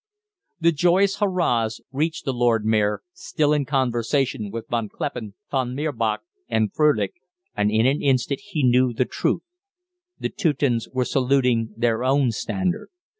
The joyous "hurrahs!" reached the Lord Mayor, still in conversation with Von Kleppen, Von Mirbach, and Frölich, and in an instant he knew the truth. The Teutons were saluting their own standard.